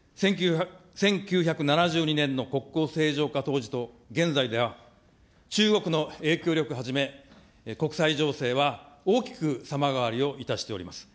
１９７２年の国交正常化当時と現在では、中国の影響力はじめ、国際情勢は大きく様変わりをいたしております。